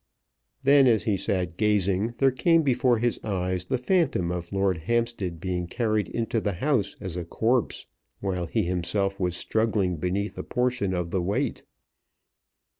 Then, as he sat gazing, there came before his eyes the phantom of Lord Hampstead being carried into the house as a corpse while he himself was struggling beneath a portion of the weight.